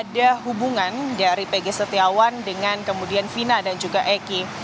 ada hubungan dari pg setiawan dengan kemudian vina dan juga eki